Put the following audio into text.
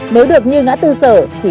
nếu được như ngã tư sở thì